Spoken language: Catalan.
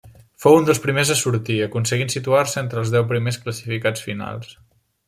Fou un dels primers a sortir, aconseguint situar-se entre els deu primers classificats finals.